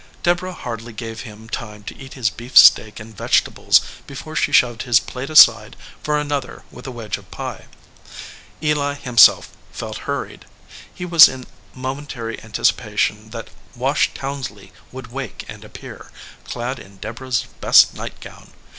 Deb orah hardly gave him time to eat his beefsteak and vegetables before she shoved his plate aside for another with a wedge of pie. Eli himself felt hur ried. He was in momentary anticipation that Wash Townsley would wake and appear, clad in Deborah s best nightgown.